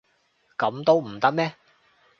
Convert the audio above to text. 噉都唔得咩？